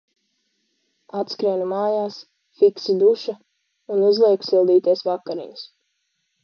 Atskrienu mājās, fiksi duša un uzlieku sildīties vakariņas.